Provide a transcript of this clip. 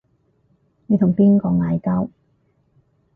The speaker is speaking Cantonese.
你同邊個嗌交